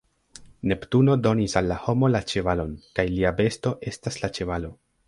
Neptuno donis al la homo la ĉevalon, kaj lia besto estas la ĉevalo.